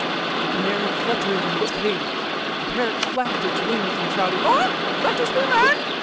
The canary fluttered in its cage : the parrot flapped its wings and shouted, " Let us be men!